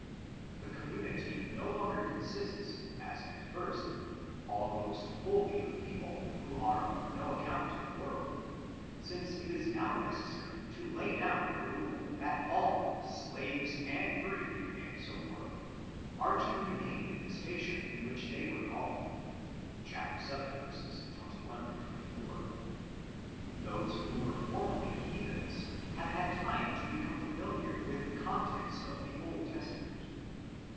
The community no longer consists, as at first, almost wholly of people who are of no account in the world; since it is now necessary to lay down the rule that all—slaves and free, and so forth—are to remain in the station in which they were called (vii. 21 24). Those who were formerly heathens have had time to become familiar with the contents of the Old Testament.